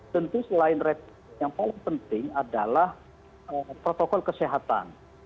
tentu selain rapid yang paling penting adalah protokol kesehatan